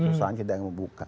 usaha tidak mau buka